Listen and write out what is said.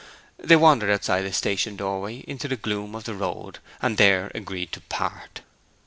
They wandered outside the station doorway into the gloom of the road, and there agreed to part.